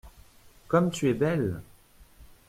Comme tu es belle !…